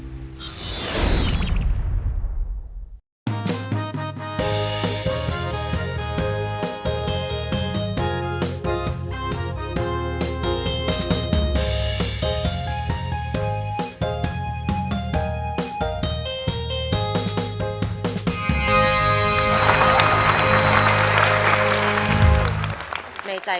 ขอบคุณครับ